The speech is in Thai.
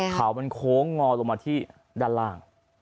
เขามันโค้งงอลงมาที่ด้านล่าง